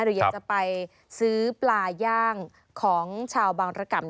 หรืออยากจะไปซื้อปลาย่างของชาวบางรกรรม